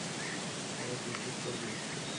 আরে, তুই চুপ করবি?